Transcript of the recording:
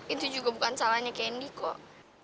itu juga bukan salahnya kendi kok